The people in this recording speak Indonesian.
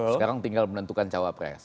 sekarang tinggal menentukan cawapres